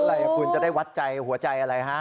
อะไรคุณจะได้วัดใจหัวใจอะไรฮะ